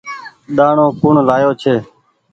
ڏآڻو ڪوڻ لآيو ڇي۔